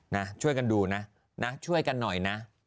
นะช่วยกันดูนะนะช่วยกันหน่อยนะ